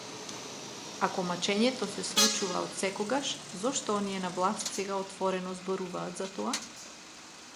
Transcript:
Ако мачењето се случува отсекогаш, зошто оние на власт сега отворено зборуваат за тоа?